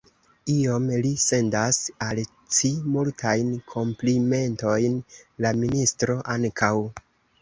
Iom; li sendas al ci multajn komplimentojn; la ministro ankaŭ.